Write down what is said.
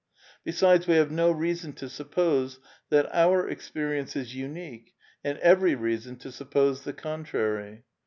Besides, we have. Ujo^. ,'^ L r eason to yf n ppof^ft tl^fit our experience is unique a nd every reason to suppose thecontrary.